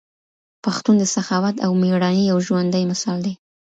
پښتون د سخاوت او ميړانې یو ژوندی مثال دی.